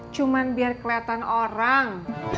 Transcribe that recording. cuma biar kelihatan orang